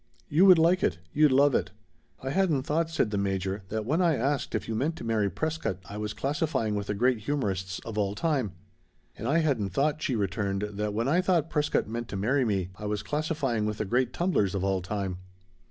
"You would like it. You'd love it." "I hadn't thought," said the Major, "that when I asked if you meant to marry Prescott I was classifying with the great humorists of all time." "And I hadn't thought," she returned, "that when I thought Prescott meant to marry me I was classifying with the great tumblers of all time!"